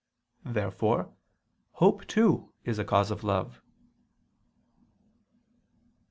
Therefore hope too is a cause of love.